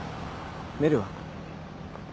メルは？